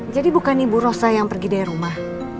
jadi bukan ibu rosa yang pergi dari rumah